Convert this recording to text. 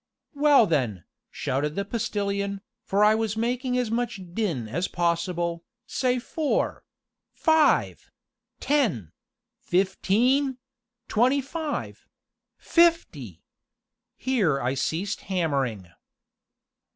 "Well then," shouted the Postilion, for I was making as much din as possible, "say four five ten fifteen twenty five fifty!" Here I ceased hammering.